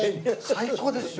最高ですよ